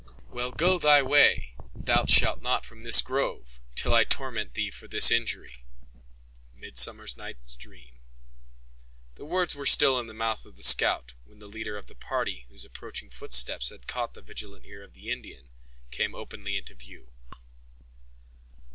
"Well go thy way: thou shalt not from this grove Till I torment thee for this injury."—Midsummer Night's Dream. The words were still in the mouth of the scout, when the leader of the party, whose approaching footsteps had caught the vigilant ear of the Indian, came openly into view.